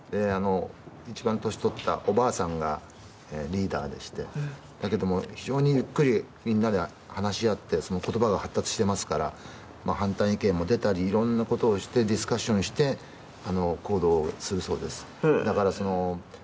一番年を取ったおばあさんがリーダーでしてだけども非常にゆっくり話し合って言葉が発達していますから色んなことをしてディスカッションして行動するそうです。